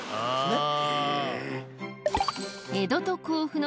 えっ